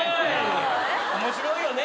面白いよね